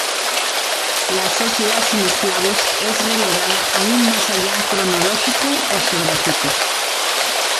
La sociedad sin esclavos es relegada a un más allá cronológico o geográfico.